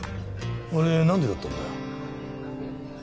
あれ何でだったんだよ？